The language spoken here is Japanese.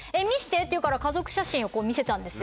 って言うから家族写真を見せたんですよ